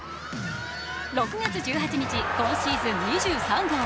６月１８日、今シーズン２３号。